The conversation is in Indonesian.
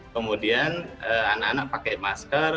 kemudian anak anak pakai masker